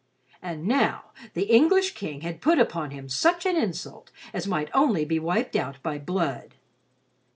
And now the English King had put upon him such an insult as might only be wiped out by blood.